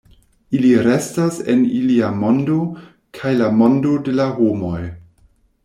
Ili restas en ilia mondo, kaj la mondo de la homoj.